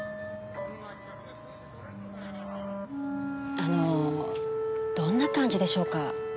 あのどんな感じでしょうか？